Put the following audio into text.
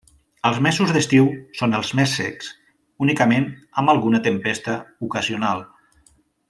Els mesos d'estiu són els més secs, únicament amb alguna tempesta ocasional.